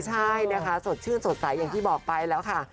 ใช่นะคะสดชื่นสดใสอย่างที่บอกไปแล้วค่ะ